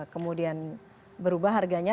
kemudian berubah harganya